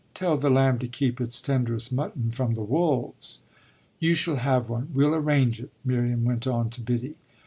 Tell the lamb to keep its tenderest mutton from the wolves!" "You shall have one: we'll arrange it," Miriam went on to Biddy.